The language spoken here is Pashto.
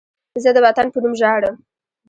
زه د وطن په نوم ژاړم